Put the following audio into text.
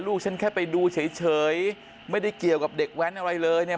ฉันแค่ไปดูเฉยไม่ได้เกี่ยวกับเด็กแว้นอะไรเลยเนี่ย